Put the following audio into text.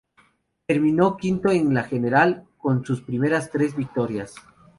Terminó quinto en la general, con sus primeras tres victorias.